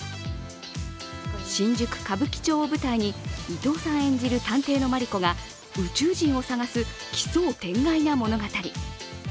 新宿・歌舞伎町を舞台に伊藤さん演じる探偵のマリコが宇宙人を探す奇想天外な物語。